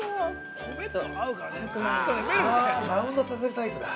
◆バウンドさせるタイプだ。